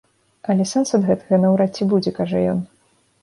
Але сэнс ад гэтага наўрад ці будзе, кажа ён.